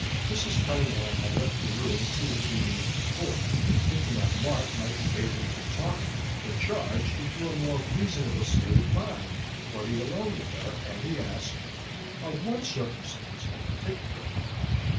Mrs. Cunningham had left the room two or three minutes before, thinking that Mark might be able to talk her charge into a more reasonable state of mind were he alone with her, and he added: "Of one circumstance in particular."